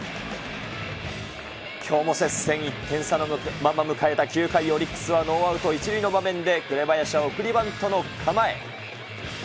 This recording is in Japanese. きょうも接戦、１点差のまま迎えた９回、オリックスはノーアウト１塁の場面で、紅林は送りバントの構え。